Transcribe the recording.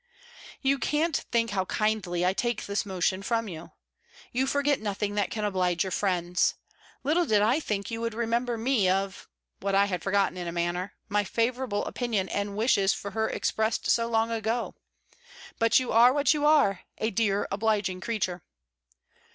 You can't think how kindly I take this motion from you. You forget nothing that can oblige your friends. Little did I think you would remember me of (what I had forgotten in a manner) my favourable opinion and wishes for her expressed so long ago. But you are what you are a dear obliging creature.